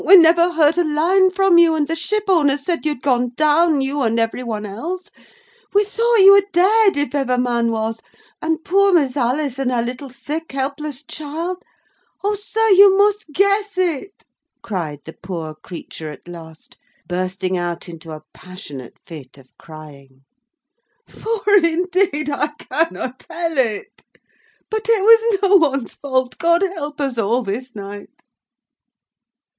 we never heard a line from you, and the shipowners said you had gone down, you and every one else. We thought you were dead, if ever man was, and poor Miss Alice and her little sick, helpless child! O, sir, you must guess it," cried the poor creature at last, bursting out into a passionate fit of crying, "for indeed I cannot tell it. But it was no one's fault. God help us all this night!"